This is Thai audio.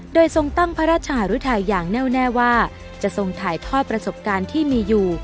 โดยทรงตั้งพระราชหารุทัยอย่างแน่วแน่ว่าจะทรงถ่ายทอดประสบการณ์ที่มีอยู่